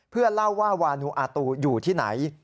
เพื่อเล่าว่าวานูอาตูอยู่ที่ไหน